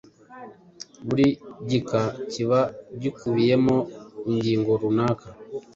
Buri gika kiba gikubiyemo ingingo runaka.